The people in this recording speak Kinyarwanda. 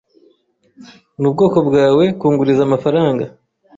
Nubwoko bwawe kunguriza amafaranga.